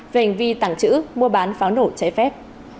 về hành vi tảng chữ mua bán pháo nổ trái phép